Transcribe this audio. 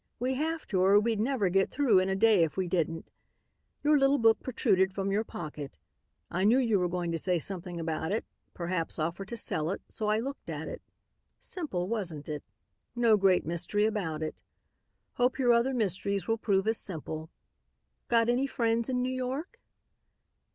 We have to or we'd never get through in a day if we didn't. Your little book protruded from your pocket. I knew you were going to say something about it; perhaps offer to sell it, so I looked at it. Simple, wasn't it? No great mystery about it. Hope your other mysteries will prove as simple. Got any friends in New York?"